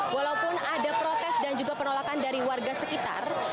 walaupun ada protes dan juga penolakan dari warga sekitar